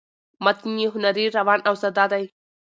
متن یې هنري ،روان او ساده دی